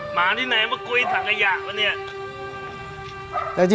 หมาที่ไหนมากลุยถังขยะปะเนี่ย